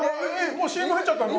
もうＣＭ入っちゃったの？